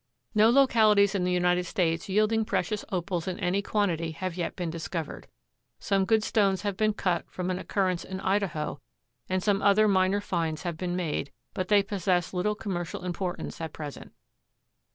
No localities in the United States yielding precious Opals in any quantity have yet been discovered. Some good stones have been cut from an occurrence in Idaho, and some other minor finds have been made, but they possess little commercial importance at present.